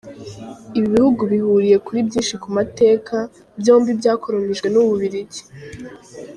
Ibi bihugu bihuriye kuri byinshi ku mateka, byombi byakolonijwe n’u Bubiligi.